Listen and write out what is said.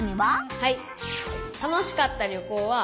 はい！